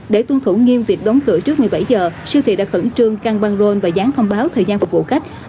để tuân thủ nghiêm việc đóng cửa trước một mươi bảy h siêu thị đã khẩn trương căn băng roll và dán thông báo thời gian phục vụ khách